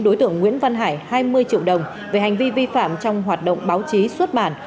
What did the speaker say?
đối tượng nguyễn văn hải hai mươi triệu đồng về hành vi vi phạm trong hoạt động báo chí xuất bản